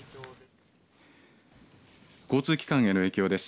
交通機関への影響です。